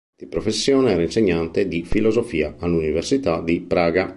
Di professione era insegnante di filosofia all'Università di Praga.